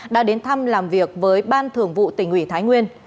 đã đến thăm làm việc với ban thường vụ tỉnh ủy thái nguyên